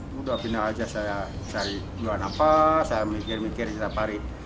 sudah final aja saya cari jualan apa saya mikir mikir setiap hari